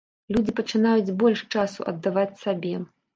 Людзі пачынаюць больш часу аддаваць сабе.